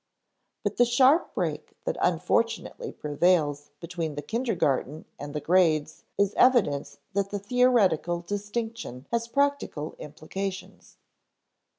But the sharp break that unfortunately prevails between the kindergarten and the grades is evidence that the theoretical distinction has practical implications.